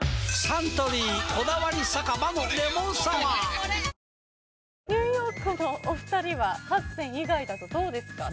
サントリー「こだわり酒場のレモンサワー」ニューヨークのお二人は８選以外だとどうですか？